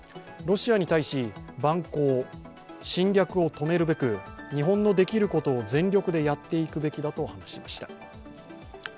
ロシアに対し蛮行・侵略を止めるべく日本のできることを全力でやっていくべきだと話しました。